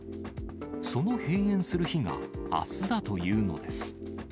その閉園する日が、あすだというのです。